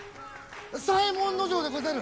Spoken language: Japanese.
左衛門尉でござる！